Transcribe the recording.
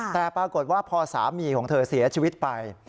แต่ปรากฏว่าพอสามีของเธอเสียชีวิตไป